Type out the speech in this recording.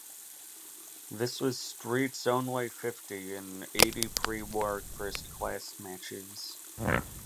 This was Street's only fifty in eighty pre-war first-class matches.